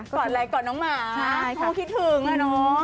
ก่อนอะไรก่อนน้องหมาโม่คิดถึงแล้วเนอะ